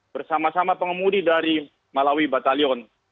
bersama sama pengemudi dari malawi batalion